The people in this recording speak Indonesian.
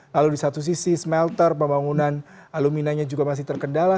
lalu di satu sisi smelter pembangunan aluminanya juga masih terkendala